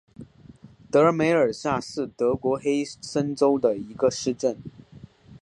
迪梅尔塞是德国黑森州的一个市镇。